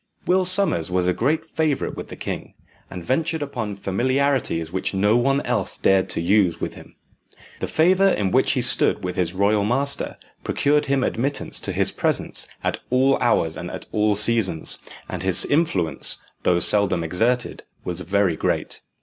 Will Sommers was a great favourite with the king, and ventured upon familiarities which no one else dared to use with him. The favour in which he stood with his royal master procured him admittance to his presence at all hours and at all seasons, and his influence, though seldom exerted, was very great.